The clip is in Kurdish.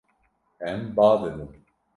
Em ba didin.